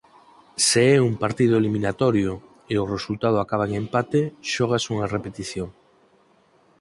Se é un partido eliminatorio e o resultado acaba en empate xógase unha repetición.